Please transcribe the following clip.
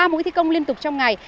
ba mũi thi công liên tục trong ngày